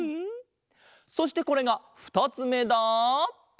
そしてこれがふたつめだ！